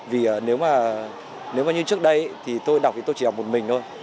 vì nếu mà như trước đây thì tôi đọc thì tôi chỉ đọc một mình thôi